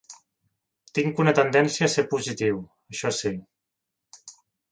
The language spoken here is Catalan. Tinc una tendència a ser positiu, això sí.